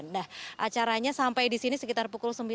nah acaranya sampai disini sekitar pukul sembilan